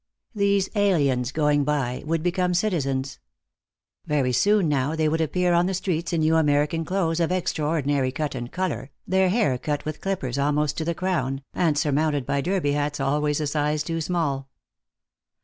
These aliens, going by, would become citizens. Very soon now they would appear on the streets in new American clothes of extraordinary cut and color, their hair cut with clippers almost to the crown, and surmounted by derby hats always a size too small.